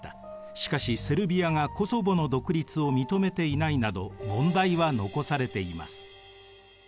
しかしセルビアがコソヴォの独立を認めていないなど問題は残されています。